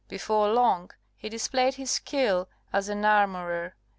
Before long he displayed his skill as an armourer.